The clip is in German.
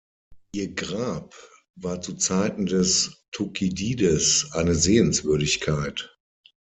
Ihr Grab war zu Zeiten des Thukydides eine Sehenswürdigkeit.